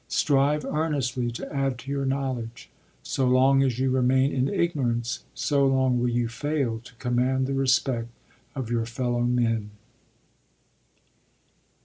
Strive earnestly to add to your knowledge. So long as you remain in ignorance, so long will you fail to command the respect of your fellow men."